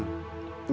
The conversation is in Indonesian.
gak jadi jual tanahnya